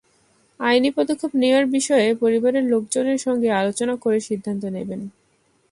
আইনি পদক্ষেপ নেওয়ার বিষয়ে পরিবারের লোকজনের সঙ্গে আলোচনা করে সিদ্ধান্ত নেবেন।